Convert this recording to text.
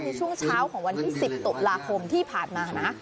ในช่วงเช้าของวันที่๑๐ตุลาคมที่ผ่านมานะ